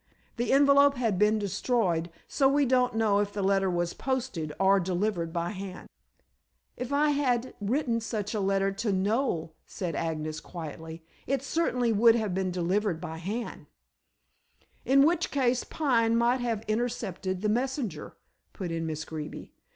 The envelope had been destroyed, so we don't know if the letter was posted or delivered by hand." "If I had written such a letter to Noel," said Agnes quietly, "it certainly would have been delivered by hand." "In which case Pine might have intercepted the messenger," put in Miss Greeby.